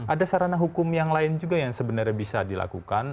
ada sarana hukum yang lain juga yang sebenarnya bisa dilakukan